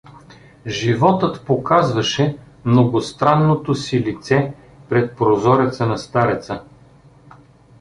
Животът показваше многостранното си лице пред прозореца на стареца.